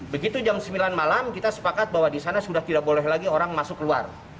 begitu jam sembilan malam kita sepakat bahwa di sana sudah tidak boleh lagi orang masuk keluar